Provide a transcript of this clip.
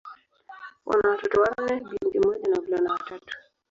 Wana watoto wanne: binti mmoja na wavulana watatu.